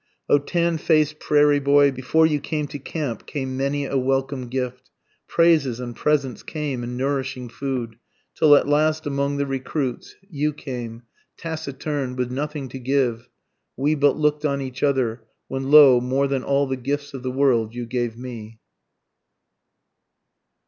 O tan faced prairie boy, Before you came to camp came many a welcome gift, Praises and presents came and nourishing food, till at last among the recruits, You came, taciturn, with nothing to give we but look'd on each other, When lo; more than all the gifts of the world you gave me.